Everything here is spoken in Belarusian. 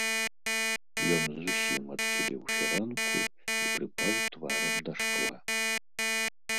Ён зусім адхіліў фіранку і прыпаў тварам да шкла.